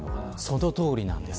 そのとおりなんです。